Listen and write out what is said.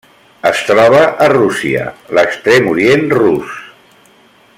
Es troba a Rússia: l'Extrem Orient Rus.